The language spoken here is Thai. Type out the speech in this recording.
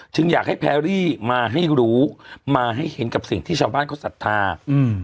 อยากให้แพรรี่มาให้รู้มาให้เห็นกับสิ่งที่ชาวบ้านเขาศรัทธาอืม